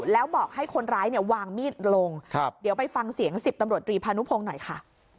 แล้วบอกให้คนร้ายเนี่ยวางมีดลงเดี๋ยวไปฟังเสียง๑๐ตำรวจตรีพานุพงศ์หน่อยค่ะ